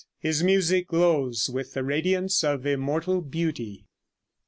His music glows with the radiance of immortal beauty.